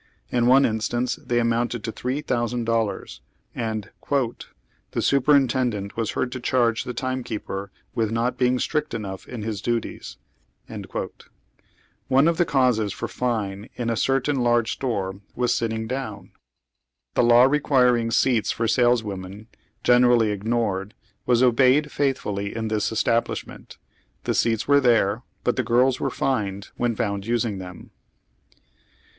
In one instance they amounted to $3,000, and " the superintendent was heard to charge the time keeper with not being strict enough in his duties." One of the causes for fine in a certain large store was sitting down. The law requiring seats for sales women, generally ignored, was obeyed faithfully in this establishment. The seats were there, but the girls were fined when found using them.